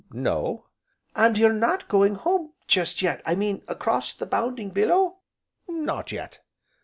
"No." "And you're not going home just yet, I mean across the 'bounding billow?'" "Not yet."